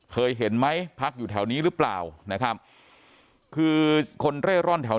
เคยเห็นไหมพักอยู่แถวนี้หรือเปล่านะครับคือคนเร่ร่อนแถว